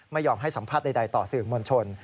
ไม่ยอมให้สัมภาษณ์ใดต่อสื่อมวลชน